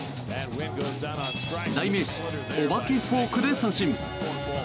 代名詞、お化けフォークで三振。